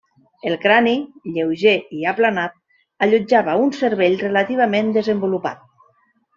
El crani, lleuger i aplanat allotjava un cervell relativament desenvolupat.